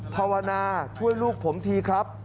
ภาวนาช่วยลูกผมทีครับ